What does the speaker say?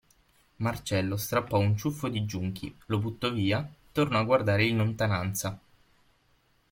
Marcello strappò un ciuffo di giunchi, lo buttò via, tornò a guardare in lontananza.